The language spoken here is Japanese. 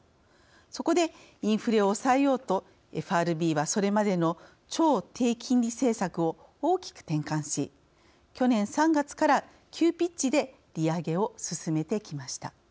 そこで、インフレを抑えようとＦＲＢはそれまでの超低金利政策を大きく転換し去年３月から急ピッチで利上げを進めてきました。